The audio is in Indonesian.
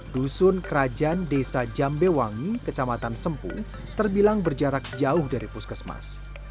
dusun kerajaan desa jambewangi kecamatan sempu terbilang berjarak jauh dari puskesmas